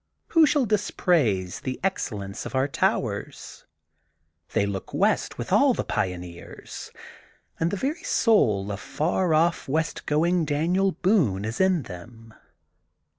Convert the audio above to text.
^ Who shall dispraise the excellence of our towers ? They look west with all the pioneers, and the very soul of far off, west going Daniel Boone is in them.